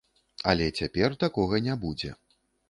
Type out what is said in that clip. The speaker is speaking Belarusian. Але цяпер такога не будзе.